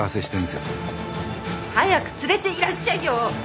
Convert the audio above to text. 早く連れていらっしゃいよ！